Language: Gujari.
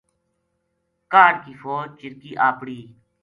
کاہڈ کی فوج چرکی اَپڑی